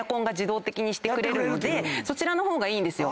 そちらの方がいいんですよ。